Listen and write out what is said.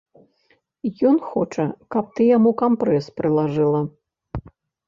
Ён хоча, каб ты яму кампрэс прылажыла.